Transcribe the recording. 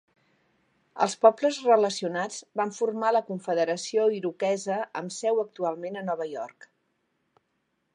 Els pobles relacionats van formar la Confederació Iroquesa amb seu actualment a Nova York.